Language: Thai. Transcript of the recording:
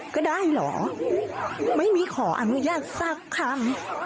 ก็ได้เหรอไม่มีขออนุญาตสักคำ